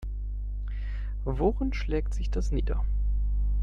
Worin schlägt sich das nieder?